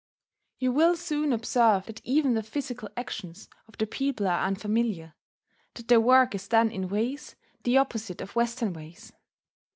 You will soon observe that even the physical actions of the people are unfamiliar, that their work is done in ways the opposite of Western ways.